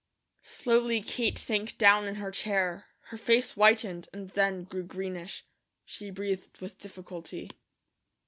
Slowly Kate sank down in her chair. Her face whitened and then grew greenish. She breathed with difficulty.